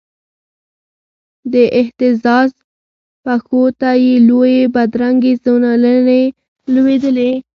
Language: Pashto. د اهتزاز پښو ته یې لویي بدرنګې زولنې لویدلې